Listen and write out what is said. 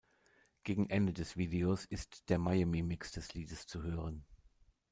Gegen Ende des Videos ist der „Miami Mix“ des Liedes zu hören.